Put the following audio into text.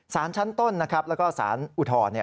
สารชั้นต้นและสารอุทธรณ์